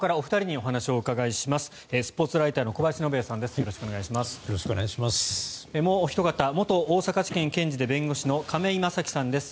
もうおひと方元大阪地検検事で弁護士の亀井正貴さんです。